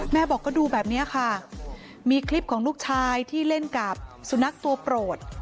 แม่บอกก็ดูแบบนี้ค่ะมีคลิปของลูกชายที่เล่นกับสุนัขตัวโปรด